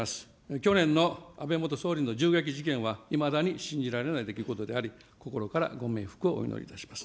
去年の安倍元総理の銃撃事件は、いまだに信じられない出来事であり、心からご冥福をお祈りいたします。